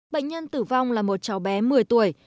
bệnh nhân tử vong là một cháu bé một mươi tuổi